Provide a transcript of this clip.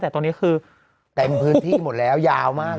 แต่ตอนนี้คือเต็มพื้นที่หมดแล้วยาวมาก